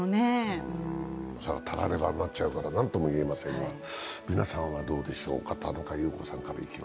たらればになっちゃうから、何とも言えませんが、皆さんはどうでしょうか？